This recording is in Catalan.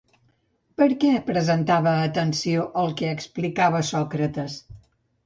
Per què prestava atenció al que explicava Sòcrates?